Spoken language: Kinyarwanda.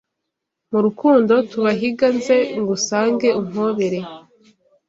Mu rukundo tubahiga Nze ngusange umpobere